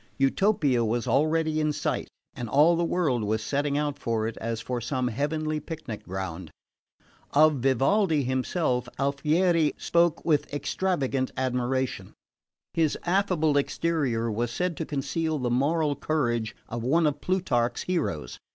Utopia was already in sight; and all the world was setting out for it as for some heavenly picnic ground. Of Vivaldi himself, Alfieri spoke with extravagant admiration. His affable exterior was said to conceal the moral courage of one of Plutarch's heroes.